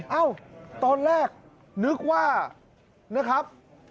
เอ้าตอนแรกนึกว่านะครับ